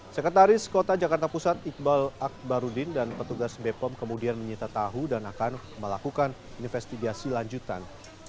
sekretaris kota jakarta pusat iqbal akbarudin dan petugas bepom kemudian menyita tahu dan akan melakukan investigasi lanjutan